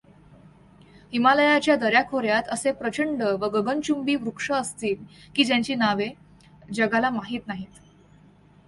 हिमालयाच्या दऱ्याखोऱ्यात असे प्रचंड व गगनचुंबी वृक्ष असतील, की ज्यांची नावे जगाला माहीत नाहीत.